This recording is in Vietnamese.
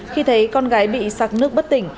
khi thấy con gái bị sạc nước bất tỉnh